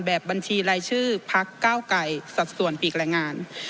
แบบบัญชีลายชื่อพักเก้าไก่สัตว์ส่วนปีกแหล่งงาน